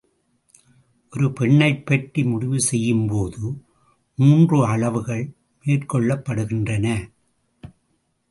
ஒரு பெண்ணைப் பற்றி முடிவு செய்யும்போது மூன்று அளவுகள் மேற்கொள்ளப்படுகின்றன.